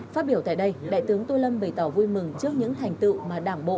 phát biểu tại đây đại tướng tô lâm bày tỏ vui mừng trước những thành tựu mà đảng bộ